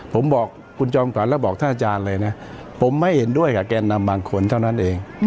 ผมบอกคุณจอมขวัญแล้วบอกท่านอาจารย์เลยนะผมไม่เห็นด้วยกับแกนนำบางคนเท่านั้นเอง